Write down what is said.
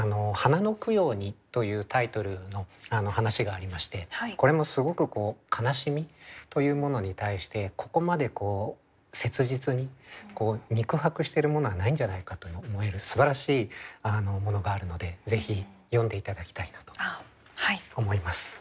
「花の供養に」というタイトルの話がありましてこれもすごくこう悲しみというものに対してここまで切実に肉薄してるものはないんじゃないかと思えるすばらしいものがあるのでぜひ読んで頂きたいなと思います。